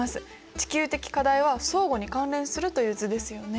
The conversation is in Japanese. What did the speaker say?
地球的課題は相互に関連するという図ですよね。